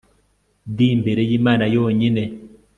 d imbere y'imana yonyine